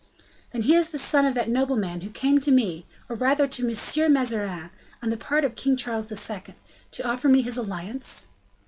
"Then he is the son of that nobleman who came to me, or rather to M. Mazarin, on the part of King Charles II., to offer me his alliance?"